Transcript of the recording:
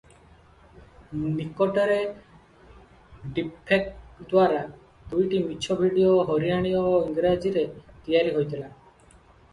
ନିକଟରେ "ଡିପଫେକ"ଦ୍ୱାରା ଦୁଇଟି ମିଛ ଭିଡ଼ିଓ ହରିୟାଣୀ ଓ ଇଂରାଜୀରେ ତିଆରି ହୋଇଥିଲା ।